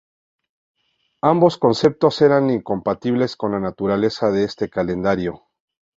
Ambos conceptos eran incompatibles con la naturaleza de este calendario.